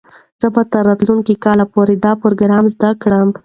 زه به تر راتلونکي کال پورې دا پروګرام زده کړم.